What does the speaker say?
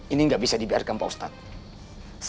ini nggak bisa dibiarkan pak ustadz